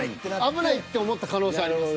危ないって思った可能性あります。